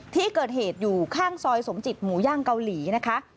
ที่เกิดเหตุอยู่ข้างซอยสมจิตหมูย่างเกาหลีนะคะ